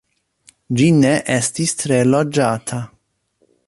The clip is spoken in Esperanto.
Ĝi ne estis tre loĝata.